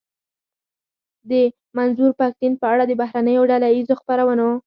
د منظور پښتين په اړه د بهرنيو ډله ايزو خپرونو.